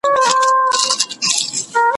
زه هره ورځ د سبا لپاره د نوي لغتونو يادوم..